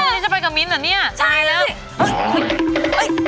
นี่จะไปกับมิ้นเหรอนี่ตายแล้วใช่